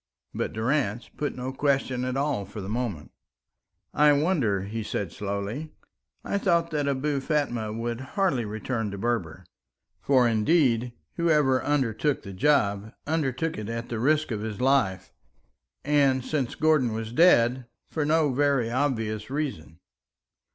But Durrance put no question at all for the moment. "I wondered," he said slowly. "I thought that Abou Fatma would hardly return to Berber. For, indeed, whoever undertook the job undertook it at the risk of his life, and, since Gordon was dead, for no very obvious reason."